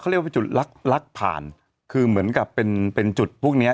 เรียกว่าจุดลักลักผ่านคือเหมือนกับเป็นเป็นจุดพวกเนี้ย